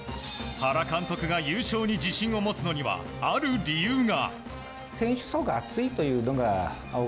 原監督が優勝に自信を持つのにはある理由が。